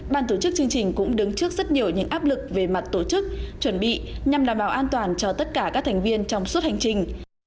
ban tổ chức chương trình cũng đứng trước rất nhiều những áp lực về mặt tổ chức chuẩn bị nhằm đảm bảo an toàn cho tất cả các thành viên trong suốt hành trình